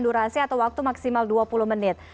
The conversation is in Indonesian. durasi atau waktu maksimal dua puluh menit